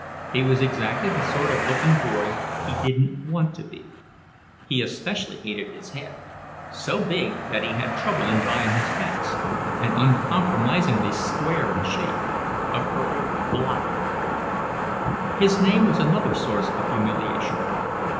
He was exactly the sort of looking boy he didn't want to be. He especially hated his head, so big that he had trouble in buying his hats, and uncompromisingly square in shape; a perfect block head. His name was another source of humiliation.